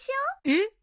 えっ！？